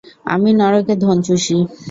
আমি নরকে ধোন চুষি।